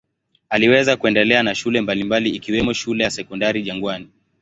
Aliweza kuendelea na shule mbalimbali ikiwemo shule ya Sekondari Jangwani.